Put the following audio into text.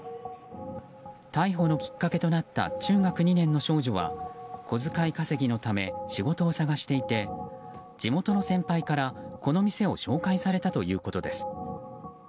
逮捕のきっかけとなった中学２年生の少女は小遣い稼ぎのため仕事を探していて地元の先輩からこの店を紹介されたということです。